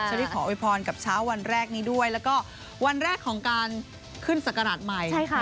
เชอรี่ขออวยพรกับเช้าวันแรกนี้ด้วยแล้วก็วันแรกของการขึ้นสักขนาดใหม่ใช่ค่ะ